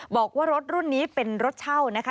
บอกว่ารถรุ่นนี้เป็นรถเช่านะคะ